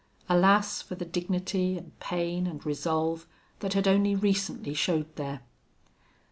Alas for the dignity and pain and resolve that had only recently showed there!